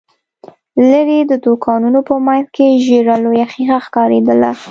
ليرې، د دوکانونو په مينځ کې ژېړه لويه ښيښه ښکارېدله.